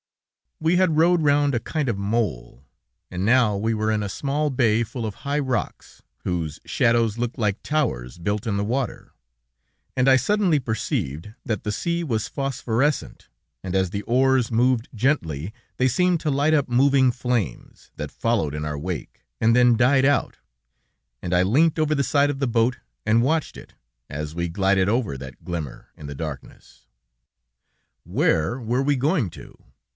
We had rowed round a kind of mole, and now we were in a small bay full of high rocks, whose shadows looked like towers built in the water, and I suddenly perceived that the sea was phosphorescent, and as the oars moved gently, they seemed to light up moving flames, that followed in our wake, and then died out, and I leant over the side of the boat and watched it, as we glided over that glimmer in the darkness. Where were we going to?